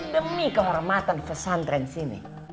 demi kehormatan pesantren sini